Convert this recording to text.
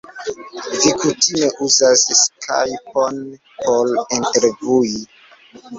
Vi kutime uzas skajpon por intervjui...?